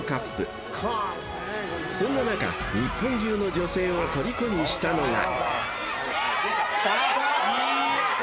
［そんな中日本中の女性をとりこにしたのが］